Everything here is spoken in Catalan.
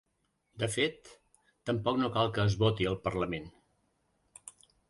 De fet, tampoc no cal que es voti al parlament.